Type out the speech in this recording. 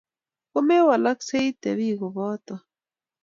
Ko mewalaksei; tebi kobota.